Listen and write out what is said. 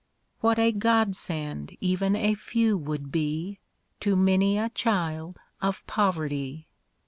What a godsend even a few would be, To many a child of poverty